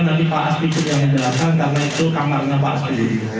nanti pak aspi sudah menjelaskan karena itu kamarnya pak aspi